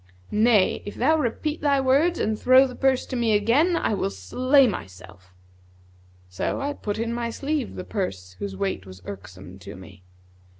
Nay, if thou repeat thy words and throw the purse to me again I will slay myself.' So I put in my sleeve[FN#152] the purse whose weight was irksome to me."